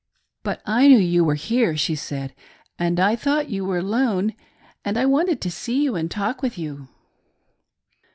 " But I knew you were here," she said, " and I thought you were alone ^and I wanted to see you and talk with you."